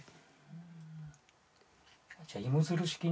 じゃあ芋づる式に。